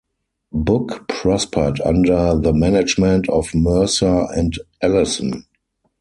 Book prospered under the management of Mercer and Allison.